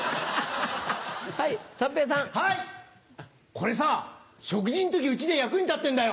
これさ食事の時家で役に立ってんだよ。